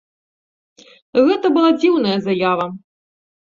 Гэта была дзіўная заява.